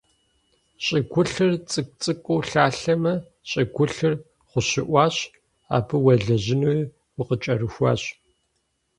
ЩӀыгулъыр цӀыкӀу-цӀыкӀуу лъалъэмэ, щӀыгулъыр гъущыӀуащ, абы уелэжьынуи укъыкӀэрыхуащ.